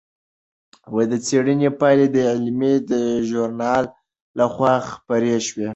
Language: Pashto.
د څېړنې پایلې د علمي ژورنال لخوا خپرې شوې.